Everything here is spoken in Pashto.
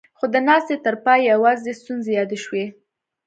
خو د ناستې تر پايه يواځې ستونزې يادې شوې.